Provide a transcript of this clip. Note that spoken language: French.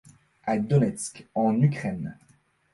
À Donetsk en Ukraine.